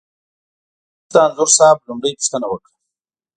ما پاڼه واخسته، انځور صاحب لومړۍ پوښتنه وکړه.